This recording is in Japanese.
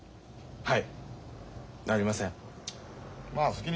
はい。